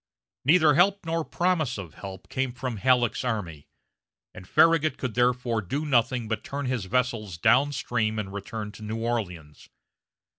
Neither help nor promise of help came from Halleck's army, and Farragut could therefore do nothing but turn his vessels down stream and return to New Orleans.